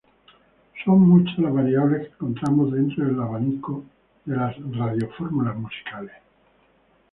Son muchas las variables que encontramos dentro del abanico de las radiofórmulas musicales.